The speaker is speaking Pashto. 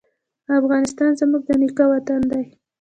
افغانستان زما د نیکه وطن دی؟